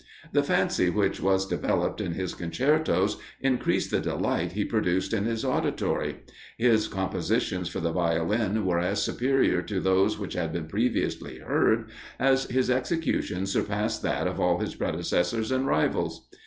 The fancy which was developed in his concertos increased the delight he produced in his auditory; his compositions for the Violin were as superior to those which had been previously heard as his execution surpassed that of all his predecessors and rivals.